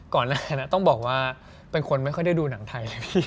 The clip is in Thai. ก่อนหน้านั้นต้องบอกว่าเป็นคนไม่ค่อยได้ดูหนังไทยเลยพี่